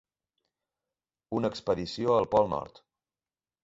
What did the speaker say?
Una expedició al pol nord.